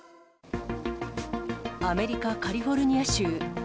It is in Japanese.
アメリカ・カリフォルニア州。